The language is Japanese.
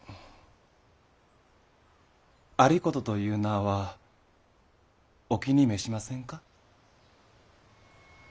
有功という名はお気に召しませんか？